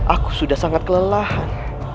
aku sudah sangat kelelahan